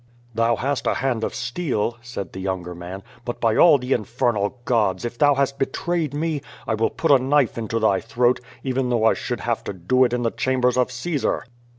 "Thou hast a hand of steel,^' said the younger man, "but by all the infernal gods, if thou hast betrayed me, I will put a knife into thy throat, even though I should have to do it in the chambers of Caesar."